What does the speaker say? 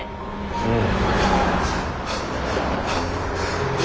うん。